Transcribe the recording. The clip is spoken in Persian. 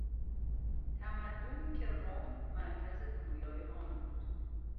تمدنی که روم مرکز پویای آن بود